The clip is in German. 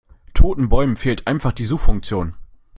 Toten Bäumen fehlt einfach die Suchfunktion.